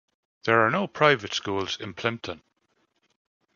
There are no private schools in Plympton.